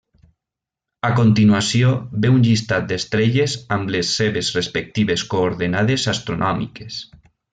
A continuació ve un llistat d'estrelles amb les seves respectives coordenades astronòmiques.